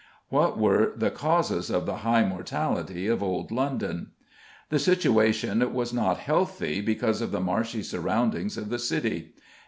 What were the causes of the high mortality in Old London? The situation was not healthy because of the marshy surroundings of the city.